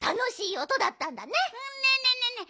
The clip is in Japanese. ねえねえねえねえ